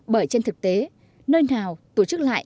bởi trên thực tế nơi nào tổ chức lại